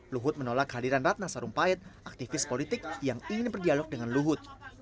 luhut menolak kehadiran ratna sarumpait aktivis politik yang ingin berdialog dengan luhut